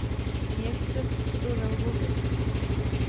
Nějaký čas působil ve Lvově.